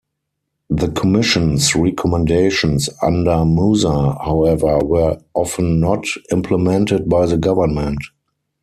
The commission's recommendations under Musa, however, were often not implemented by the government.